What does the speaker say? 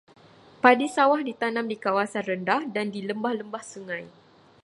Padi sawah ditanam di kawasan rendah dan di lembah-lembah sungai.